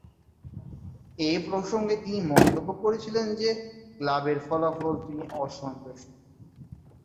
এ প্রসঙ্গে তিনি মন্তব্য করেছিলেন যে, ক্লাবের ফলাফল তিনি অসন্তুষ্ট।